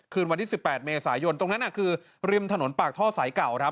คืนวันที่๑๘เมษายนตรงนั้นคือริมถนนปากท่อสายเก่าครับ